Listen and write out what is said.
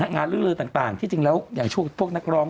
งานลื้อลือต่างที่จริงแล้วอย่างช่วงพวกนักร้อง